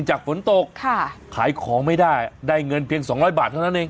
จากฝนตกขายของไม่ได้ได้เงินเพียง๒๐๐บาทเท่านั้นเอง